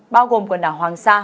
bao gồm quần đảo hoàng sa